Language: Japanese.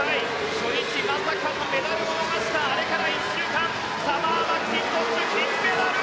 初日まさかのメダルを逃したあれから１週間サマー・マッキントッシュ金メダル！